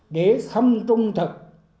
để không trung thực